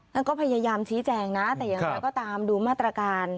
ท่านก็พยายามชี้แจงนะแต่อย่างไรก็ตามดูมาตรการ